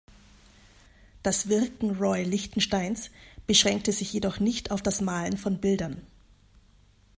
Das Wirken Roy Lichtensteins beschränkte sich jedoch nicht auf das Malen von Bildern.